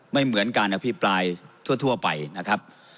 เหมือนการอภิปรายทั่วไปนะครับ